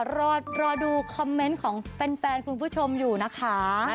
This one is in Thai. รอดูคอมเมนต์ของแฟนคุณผู้ชมอยู่นะคะ